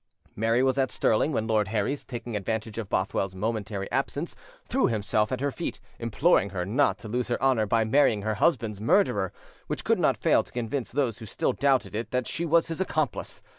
Mary was at Stirling when Lord Herries, taking advantage of Bothwell's momentary absence, threw himself at her feet, imploring her not to lose her honour by marrying her husband's murderer, which could not fail to convince those who still doubted it that she was his accomplice.